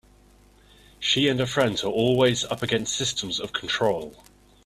She and her friends are always up against systems of control.